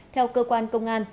theo cơ quan công an